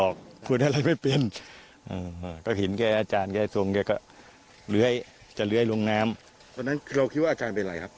ก็จะเหลือให้ลงน้ำตอนนั้นคือเราคิดว่าอาจารย์เป็นอะไรครับ